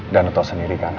dan lo tau sendiri kan